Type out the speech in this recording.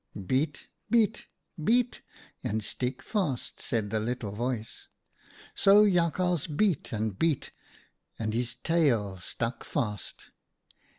"' Beat, beat, beat, and stick fast/ said the little voice. " So Jakhals beat and beat, and his tail stuck fast.